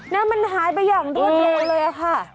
นั่นมันหายไปอย่างโดดโลเลยอะค่ะ